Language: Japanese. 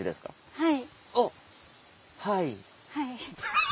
はい。